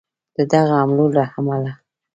د دغه حملو له امله